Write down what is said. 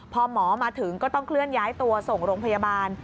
พอหมอมาถึงก็ต้องเคลื่อนย้ายตัวส่งโรงพยาบาล